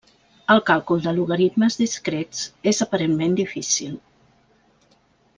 El càlcul de logaritmes discrets és aparentment difícil.